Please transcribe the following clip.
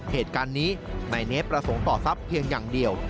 เหตุการณ์นี้นายเนธประสงค์ต่อทรัพย์เพียงอย่างเดียว